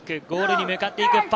ゴールに向かっていく。